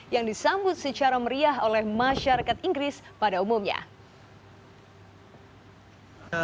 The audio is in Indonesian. yang disambut secara meriah oleh masyarakat inggris pada umumnya